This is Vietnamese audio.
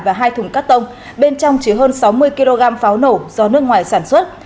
và hai thùng cắt tông bên trong chứa hơn sáu mươi kg pháo nổ do nước ngoài sản xuất